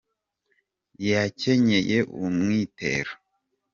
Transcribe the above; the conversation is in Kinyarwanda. yakenyeye umwitero.